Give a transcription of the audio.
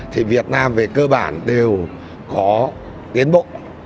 thì việt nam về cơ bản đều có tiến bộ